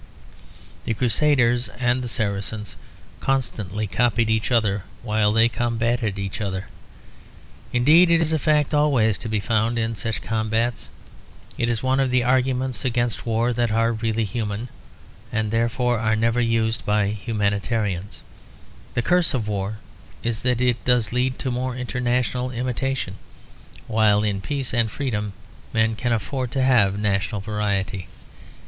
The Crusaders and the Saracens constantly copied each other while they combated each other; indeed it is a fact always to be found in such combats. It is one of the arguments against war that are really human, and therefore are never used by humanitarians. The curse of war is that it does lead to more international imitation; while in peace and freedom men can afford to have national variety.